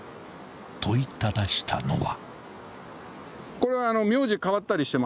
［問いただしたのは］